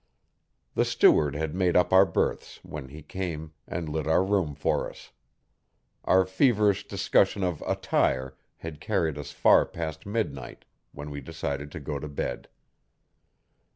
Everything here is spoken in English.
The steward had made up our berths, when he came, and lit our room for us. Our feverish discussion of attire had carried us far past midnight, when we decided to go to bed.